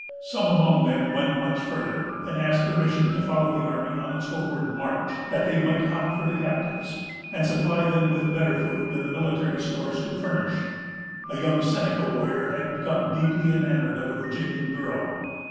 Some among them went much farther, and asked permission to follow the army on its homeward march, that they might hunt for the captives, and supply them with better food than the military stores could furnish. A young Seneca warrior had become deeply enamoured of a Virginian girl.